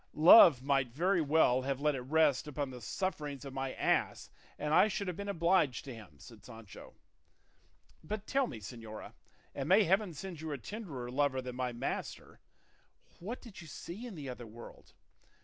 "Love might very well have let it rest upon the sufferings of my ass, and I should have been obliged to him," said Sancho. "But tell me, señora and may heaven send you a tenderer lover than my master what did you see in the other world?